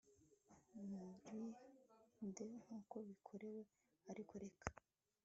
Mumurinde nkuko bikenewe ariko reka